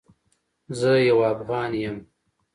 زه یو افغان یم